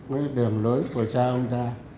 đường lối của cha ông ta